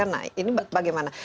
nah ini bagaimana